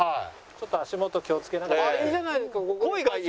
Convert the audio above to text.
ちょっと足元気をつけながら。